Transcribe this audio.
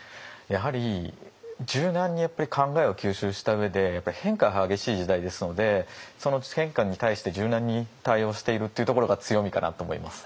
やはり柔軟に考えを吸収した上で変化が激しい時代ですのでその変化に対して柔軟に対応しているっていうところが強みかなと思います。